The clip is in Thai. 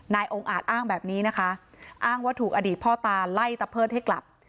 องค์อาจอ้างแบบนี้นะคะอ้างว่าถูกอดีตพ่อตาไล่ตะเพิดให้กลับ